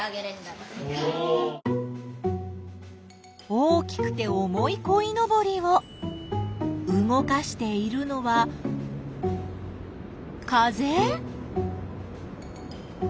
大きくて重いこいのぼりを動かしているのは風？